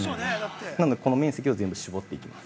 なので、この面積を全部絞っていきます。